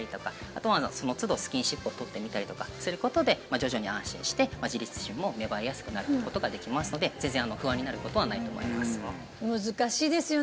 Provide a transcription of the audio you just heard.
あとはその都度スキンシップを取ってみたりとかすることで徐々に安心して自立心も芽生えやすくなることができますので全然不安になることはないと思います。